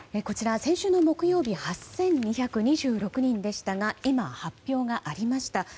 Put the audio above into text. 先週の木曜日８２２６人でしたが今、発表がありました。